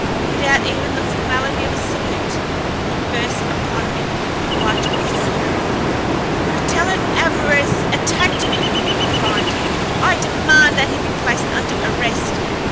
Without even the formality of a salute, he burst upon me, white with fury. "Lieutenant Alvarez attacked me!" he cried. "I demand that he be placed under arrest.